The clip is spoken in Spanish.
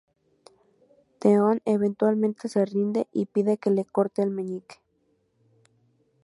Theon eventualmente se rinde y pide que le corte el meñique.